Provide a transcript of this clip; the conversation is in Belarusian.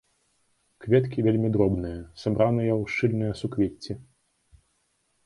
Кветкі вельмі дробныя, сабраныя ў шчыльныя суквецці.